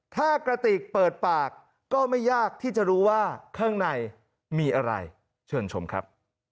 ถ้ากระติกเปิดปากก็ไม่ยากที่จะรู้ว่าข้างในมีอะไรเชิญชมครับ